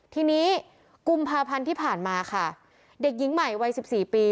ทีนี้กุมภาพันธ์ที่ผ่านมาค่ะเด็กหญิงใหม่วัย๑๔ปี